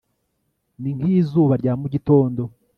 ni nk'izuba rya mu gitondo